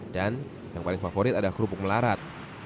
dan yang paling favorit ada kerupuk melarat